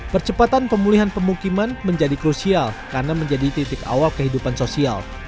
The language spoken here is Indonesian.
percepatan pemulihan pemukiman menjadi krusial karena menjadi titik awal kehidupan sosial